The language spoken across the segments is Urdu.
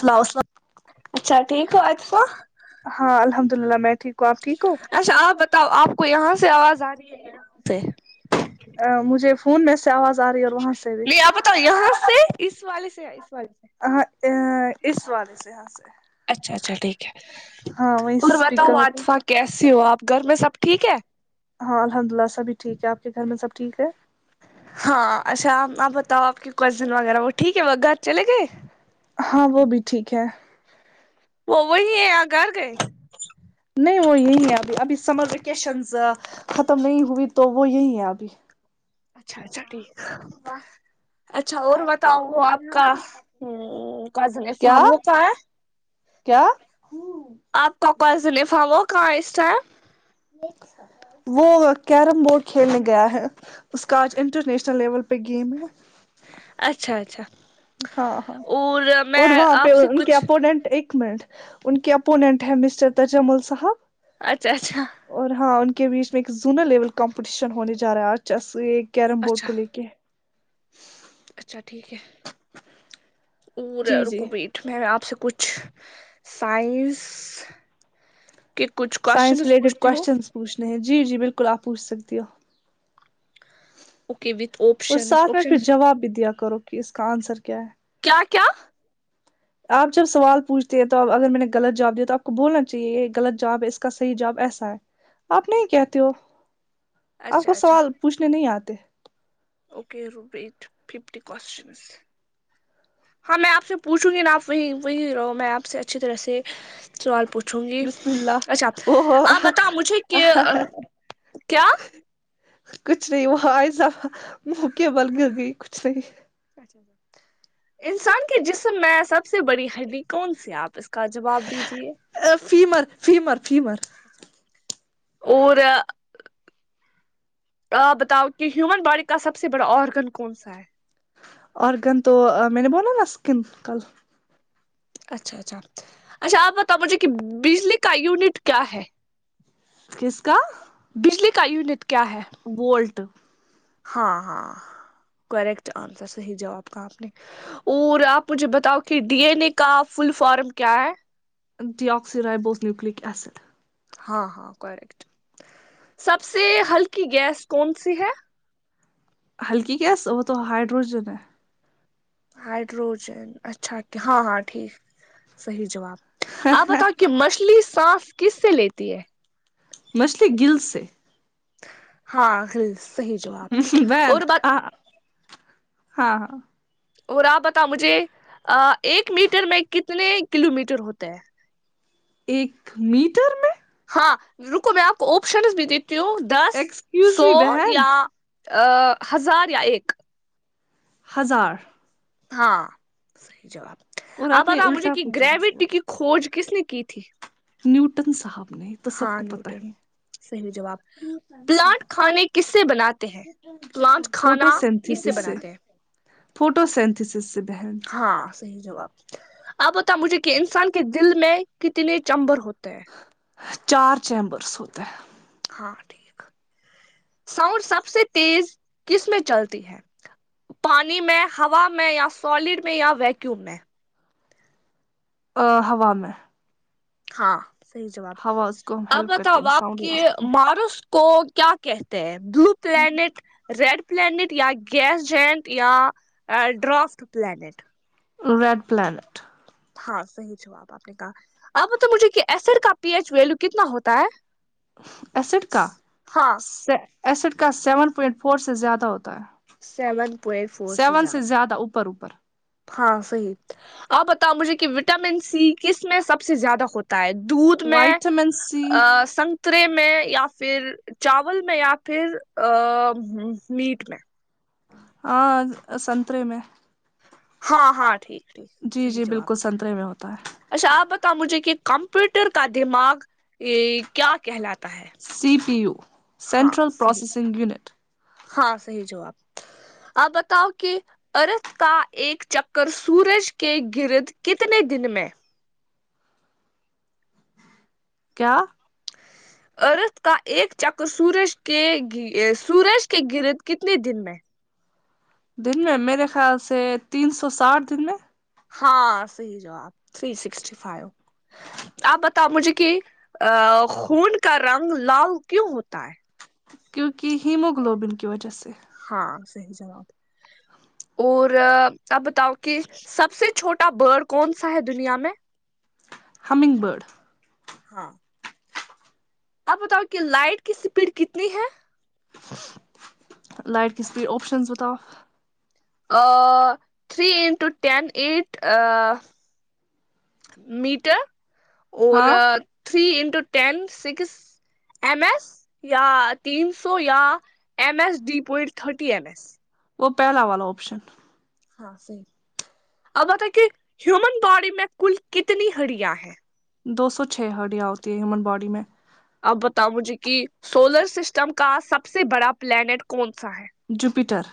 سلاؤ سلام اچھا ٹھیک ہو آج کواں ہاں الحمدللہ میں ٹیک ہوں آپ ٹھیک ہو اچھا آپ بتاؤ آپ کو یہاں سے آواز آ رہی ہے مجھے فون میں سے آواز آ رہی ہے اور وہاں سے بھی نہیں آپ بتاؤ یہاں سے اس والی سے اس والے سے ہاں ا اس والے سے یہاں سے اچھا اچھا ٹھیک ہے ہاں وہیں سے اور بتاؤ اسپیکر ہوتا آطفا ہے۔ کیسی ہو آپ گھر میں سب ٹھیک ہے ہاں الحمد للہ سبھی ٹھیک ہے آپ کے گھر میں سب ٹھیک ہے ہاں اچھا آپ بتاؤ آپ کی کزن وغیرہ وہ ٹھیک ہے وہ گھر چلے گئے ہاں وہ بھی ٹھیک ہے وہ وہی ہے یہ گھر گئے نہیں وہ یہی ہے ابھی ابھی سمر ویکیشنز ختم نہیں ہوئی تو وہ یہی ہے ابھی اچھا اچھا ٹھیک واہ واہ اچھا اور بتاؤ وہ آپ کا ہمم کزن کیا افامو کا ہے کیا اپ کا [unintelligible] وہ کیرم بورڈ کھیلنے گیا ہے اس کا آج انٹرنیشنل لیول پہ گیم ہے اچھا اچھا ہاں ہاں اور میں اور وہاں پہ آپ سے ان کے کچھ اپووننٹ ایک ان کے اپوننٹ ہے مسٹر تجمل صاحب اچھا اچھا اور ہاں ان کے بیچ میں ایک زونل لیول کمپٹیشن ہونے جا رہا ہے چیس یہ کیرم بورڈ اچھا کو لے کے اچھا ٹھیک ہے اور ہے جی جی رکوپت میں آپ سے کچھ سائنس کہ کچھ سائنس کوشانس ریلیٹڈ پوچھتی ہوں کوشچنس پوچھنے ہیں جی جی بالکل آپ پوچھ سکتی ہو اوکے وتھ اور آپشنز ساتھ میں پھر آپشنز جواب بھی دیا کرو کہ اس کا آنسر کیا ہے کیا کیا آپ جب سوال پوچھتے ہیں تو اب اگر میں نے غلط جواب دیا تو آپ کو بولنا چاہیے یہ غلط جواب ہے اس کا صحیح جواب ایسا ہے آپ نہیں کہتے ہو آپ اچھا کو اچھا سوال پوچھنے نہیں آتے اوکے روبٹ ففٹی کوشنس ہاں میں آپ سے پوچھوں گی نا آپ وہی وہی رہو میں آپ سے اچھی طرح سے سوال پوچھوں گی بسم اللہ اچھا وہ آپ بتاؤ مجھے کہ کیا کچھ نہیں وہ ائزہ منہ کےبل گر گئی کچھ نہیں انسان کے جسم میں ایسا سب سے بڑی ہڈی کون سی آپ اس کا جواب دیجیے فیمر فیمر فیمر اور آ بتاؤ کہ ہیومن باڈی کا سب سے بڑا آرگن کون سا ہے آرگن تو میں نے بولا نا اسکن کل اچھا اچھا اچھا آپ بتاؤ مجھے کہ بجلی کا یونٹ کیا ہے کس کا بجلی کا یونٹ کیا ہے وولٹ ہاں ہاں کریکٹ آنسر صحیح جواب کہا آپ نے اور آپ مجھے بتاؤ کہ ڈی این کا فل فارم کیا ہے deoxyribonucleic acid ہاں ہاں کریکٹ سب سے ہلکی گیس کون سی ہے ہلکی گیس وہ تو ہائیڈروجن ہے ہائیڈروجن اچھا ہاں ہاں ٹھیک صحیح جواب آپ بتاؤ کہ مچھلی سانس کس سے لیتی ہے مچھلی گیٹسے ہاں گیٹس بند ہاں ہاں اور آپ بتاؤ مجھے ایک میٹر میں کتنے کلو میٹر ہوتے ہیں ایک میٹر میں ہاں رکو میں آپ کو آپشنس بھی دیتی ہوں دس ایکسکیوز سو می بہن یا ہزار یا ایک ہزار ہاں صحیح جواب اور آپ نے بتاؤ مجھے الٹا کہ پوچھا ہے گریوٹی کی سوال کھوج کس نے کی تھی نیوٹن صاحب نے یہ تو سب ہاں کو پتہ نیوٹن ہے صحیح جواب پلانٹ کھاوے کس سے بناتے ہیں پلانٹ فوٹو کھالا کس سے سینتھسس بناتے ہیں فوٹو سینتھیسیس سے بہن ہاں صحیح جواب آپ بتاؤ مجھے کہ انسان کے دل میں کتنے چمبر ہوتے ہیں چار چیمبرس ہوتے ہے ہاں ٹھیک ساؤنڈ سب سے تیز کس میں چلتی ہے پانی میں ہوا میں یا سالڈ میں یا ویکیوم میں ہوا میں ہاں صحیح جواب ہوا اس کو ہم اب ہیلپ کرتے بتاؤ ہیں آپ کے ساؤنڈ ماروس کو کیا کہتے ہیں بلو پلانٹ ریڈ پلینٹ یا گیس جینٹ یا dwarf planet red planet ہاں صحیح جواب آپ نے کہا آپ بتاؤ مجھے کہ ایسڈ کا پی ایچ ویلو کتنا ہوتا ہے ایسڈ کا ہاں ایسڈ کا سیون پوائنٹ فور سے زیادہ ہوتا ہے سیون پوائنٹ فور سیون سے زیادہ اوپر اوپر ہاں صحیح آپ بتاؤ مجھے کہ وٹامن سی کس میں سب سے زیادہ ہوتا ہے دودھ میں وائٹامن سی آسم نترے میں یا پھر چاول میں یا پھر میٹ میں ہاں سنترے میں ہاں ہاں ٹھیک ٹھیک جی صحیح جی جواب بالکل سنترے میں ہوتا ہے اچھا آپ بتاؤ مجھے کہ کمپیوٹر کا دماغ یہ کیا کہلاتا ہے سی پی یو ہاں سینٹرل صحیح پروسیسنگ یونٹ ہاں صحیح جواب آپ بتاؤ کہ ارتھ کا ایک چکر سورج کے گرد کتنے دن میں کیا ارت کا ایک چکر سورج کے گھی سورج کے گرد کتنے دن میں دن میں میرے خیال سے تین سو ساٹھ دن میں ہاں صحیح جواب تھری سکسٹی فائیو آپ بتاؤ مجھے کہ ا خون کا رنگ لال کیوں ہوتا ہے کیونکہ ہیموگلوبن کی وجہ سے ہاں صحیح جواب اور اب بتاؤ کہ سب سے چھوٹا برڈ کون سا ہے دنیا میں ہممنگ برڈ ہاں آپ بتاؤ کہ لائٹ کی اسپیڈ کتنی ہے لائٹ کسپیڈ اوپشنز بتاؤ آ three into ten eight metre اور ہاں three into ten six M S یا تین سو یا M S D point thirty M S وہ پہلا والا آپشن ہاں صحیح اب بتاے کہ ہیومن باڈی میں کل کتنی ہڈیاں ہیں دو سو چھ ہڈیاں ہوتی ہے ہیومن باڈی میں اب بتاؤ مجھے کہ سولر سسٹم کا سب سے بڑا پلانیٹ کون سا ہے جوپیٹر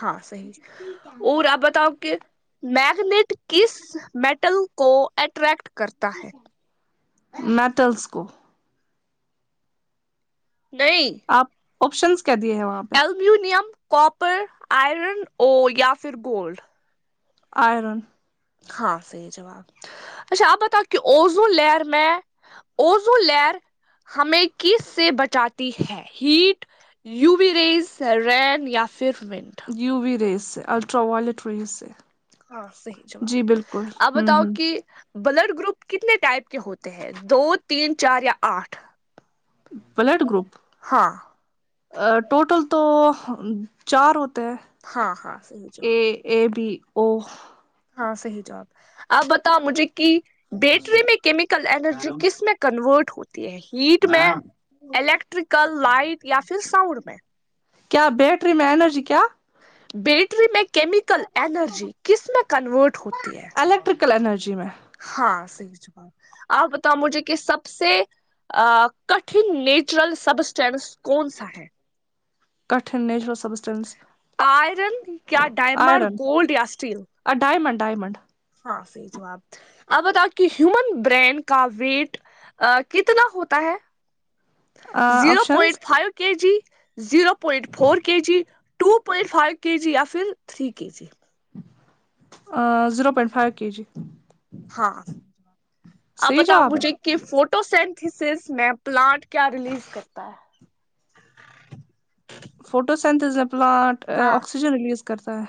ہاں صحیح اور آپ بتاؤ کے میگنیٹ کس میٹل کو اٹریکٹ کرتا ہے میٹلس کو نہیں آپ آپشنس کیا دیے ہیں وہاں پہ امینیم کاپر آئرن اور یا پھر گولڈ آئرن ہاں صحیح جواب اچھا آپ بتاؤ کہ اوزو لر میں اوزو لر ہمیں کس سے بچاتی ہے ہیٹ یوی رییز رین یا پھر منٹ یو وی ریس ہے الٹرا وائلیٹ ریس ہے ہاں صحیح جواب آپ بتاؤ ہ کہ بلڈ گروپ کتنے ٹائپ کے ہوتے ہیں دو تین چار یا آٹھ بلڈ گروپ ہاں آآ ٹوٹل تو چار ہوتے ہیں ہاں ہاں صحیح جواب اے اے بی او ہاں صحیح جواب آپ بتاؤ مجھے کہ بیٹری میں کیمیکل انرجی کس میں کنورٹ ہوتی ہے ہیٹ میں الیکٹریکل لائٹ یا پھر ساؤنڈ میں کیا بیٹری میں اینرجی کیا بیٹری میں کیمیکل اینرجی کس میں کنورٹ ہوتی ہے ترکل انینرجی میں ہاں صحیح آپ بتاؤ مجھے کہ سب سے کٹن نیچرل سب چانس کون سا ہے کٹن نیچرل سبزی آئرن یا ڈائمنڈ آئرن گولڈ یا اسٹیل [unintelligible] ہاں صحیح جواب آپ بتاؤ کی ہیومن برین کا ویٹ آ کتنا ہوتا ہے zero options point five K G zero point four K G two point five K G یا پھر تھری کے جی آ zero point five K G ہاں آپ صحیح بتاؤ جواب ہے مجھے کہ فوٹو سینتھیسس میں پلانٹ کیا ریلیز کرتا ہے فوٹوستز پلانٹ ہاں آکسیجن ریلیز کرتا ہے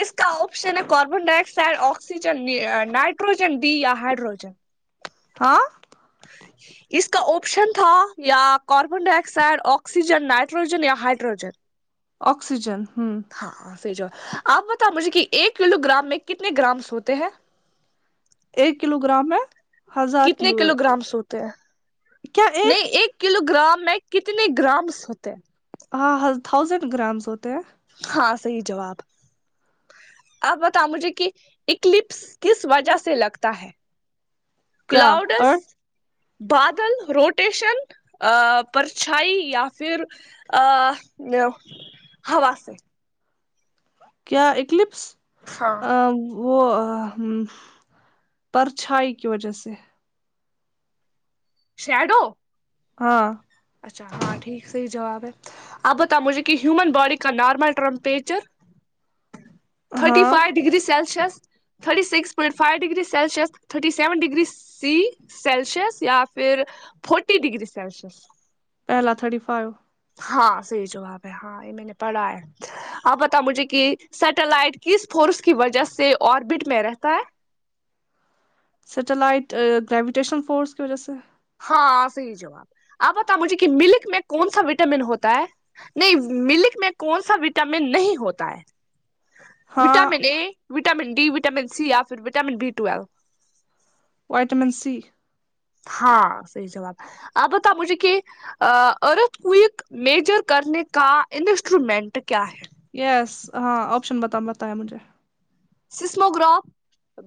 اس کا آپشن ہے carbon dioxide oxygen nitrogen D یا ہائڈروجن ہاں اس کا آپشن تھا یا carbon dioxide oxygen nitrogen یا ہائڈروجن آکسیجن ہمم ہاں صحیح جواب آپ بتاؤ مجھے کی ایک کلو گرام میں کتنے گرامس ہوتے ہیں ایک کلو گرام میں کتنے کلو گرامس ہوتے ہیں نہیں ایک کلو گرام میں کتنے گرامس ہوتے ہیں ہاں تھاؤزینڈ گرامس ہوتے ہیں ہاں صحیح جواب آپ بتاؤ مجھے کی اکلپس کس وجہ سے لگتا ہے کیا کلاؤڈس ارتھ بادل روٹیشن آ پرچھائی یا پھر آ ہوا سے کیا اکلپس ہاں آ وہ آ پرچھائی کی وجہ سے شیڈو ہاں اچھا ہاں ٹھیک صحیح جواب ہے آپ بتاؤ مجھے کی ہیومن باڈی کا نارمل ٹمپریچر تھرٹی ہاں five degree Celsius thirty six point five degree Celsius thirty seven degree C Celsius یا پھر فورٹی ڈگری سیلسیس پہلا آ تھرٹی فائیو ہاں صحیح جواب ہے ہاں یے میں نے پڑھا ہے آپ بتاؤ مجھے کی سیٹلائٹ کس فورس کی وجہ سے آربٹ میں رہتا ہے سیٹلائٹ گریوٹیشن فورس کی وجہ سے ہاں صحیح جواب آپ بتاؤ مجھے کی ملک میں کون سا وٹامن ہوتا ہے نہیں ملک میں کون سا وٹامن نہیں ہوتا ہے ہاں vitamin A vitamin D vitamin C یاھر وٹامن ٹی ٹوویل وائٹامن سی ہاں صحیح جواب اب بتاؤ مجھے کی آ ارتھ کویک میجر کرنے کا انسٹرومنٹ کیا ہے یس ہاں آپشن بتا بتائیں مجھے سسموگراف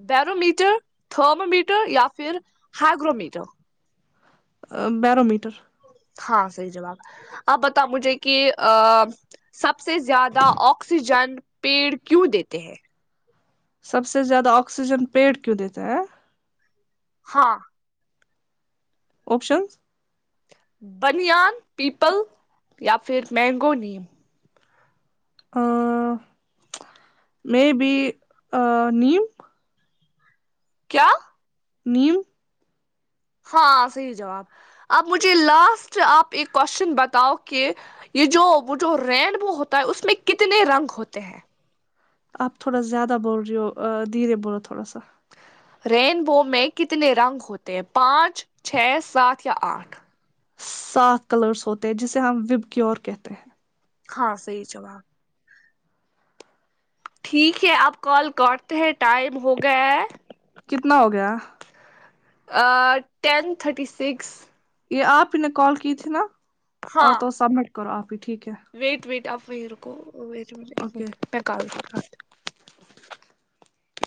بیرومیٹر تھرمومییٹر یا پھر ہیگرومیٹر بیرو میٹر ہاں صحیح جواب اب بتا مجھے کہ آ سب سے زیادہ آکسیجن پیڑ کیوں دیتے ہیں سب سے زیادہ آکسیجن پیڑ کیوں دیتے ہیں ہاں آپشنز بنیان پیپل یا پھر mango name a may be نیم کیا نیم ہاں صحیح جواب اب مجھے لاسٹ آپ ایک کوشچن بتاؤ کہ یہ جو وہ جو رینبو ہوتا ہے اس میں کتنے رنگ ہوتے ہیں آپ تھوڑا زیادہ بول رہی ہو دھیرے بولو تھوڑا سا رینبو میں کتنے رنگ ہوتے ہیں پانچ چھ سات یا آٹھ سات کلرس ہوتے ہیں جسے ہم وب گییور کہتے ہیں ہاں صحیح جواب ٹھیک ہے آپ کال کاٹتے ہیں ٹائم ہو گیا کتنا ہوگیا ٹین تھرٹی سکس یہ آپ ہی نے کال کی تھی ناں اور ہاں تو سبمٹ کرو آپ ہی ٹھیک ہے ویٹ ویٹ آپ وہی رکو ویٹ آ منٹ ایک اوکے منٹ میں کال کاٹتی ہوں